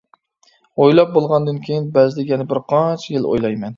ئويلاپ بولغاندىن كېيىن، بەزىدە يەنە بىر قانچە يىل ئويلايمەن.